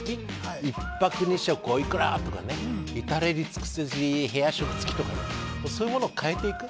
１泊２食でおいくらとか至れり尽くせり部屋食付きとかそういうものを変えていく。